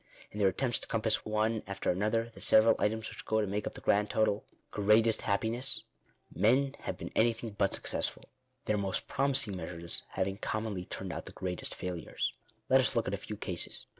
In their attempts to compass one after another the several items which go to make up the grand total, " greatest happiness," men have been anything but successful ; their most promising measures having commonly turned out the greatest failures. Let us look at a few cases.